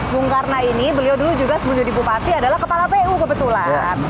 bung karno ini beliau dulu juga sebelum jadi bupati adalah kepala pu kebetulan